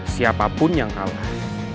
siapapun yang kalah